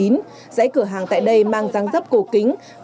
dãy cửa hàng tại đây mang răng rấp cổ kính